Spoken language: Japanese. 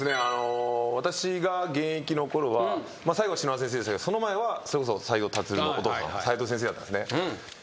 私が現役の頃は最後は篠原先生でしたけどその前はそれこそ斉藤立のお父さん斉藤先生やったんすね。